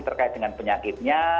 terkait dengan penyakitnya